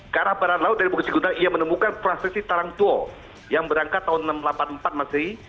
ke arah barat laut dari bukit gudang ia menemukan prosesi tarang tua yang berangkat tahun seribu sembilan ratus delapan puluh empat masih